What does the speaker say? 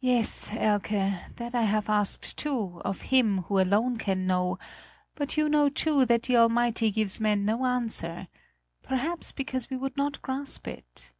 "Yes, Elke, that I have asked, too, of Him who alone can know; but you know, too, that the Almighty gives men no answer perhaps because we would not grasp it."